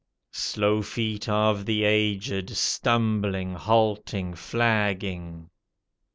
Slow feet of the aged, stumbling, halting, flagging.